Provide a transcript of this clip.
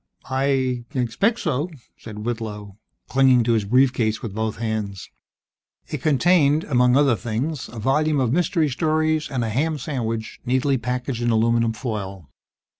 "I I expect so," said Whitlow, clinging to his brief case with both hands. It contained, among other things, a volume of mystery stories and a ham sandwich, neatly packaged in aluminum foil.